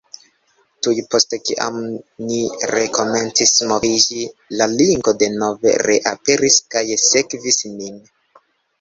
Tuj post kiam ni rekomencis moviĝi, la linko denove reaperis kaj sekvis nin.